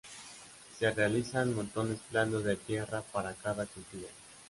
Se realizan montones planos de tierra para cada cultivo.